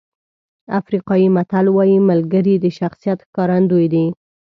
افریقایي متل وایي ملګري د شخصیت ښکارندوی دي.